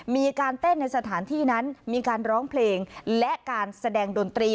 มีการเต้นในสถานที่นั้นมีการร้องเพลงและการแสดงดนตรี